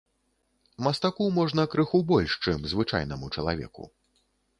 Мастаку можна крыху больш, чым звычайнаму чалавеку.